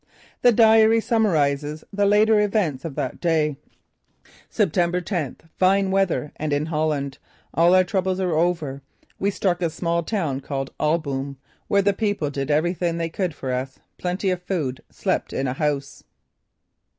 The diary summarizes the later events of that day: "September tenth: Fine weather and in Holland. All our troubles are over. We struck a small town called Alboom where the people did everything they could for us. Plenty of food. Slept in a house!"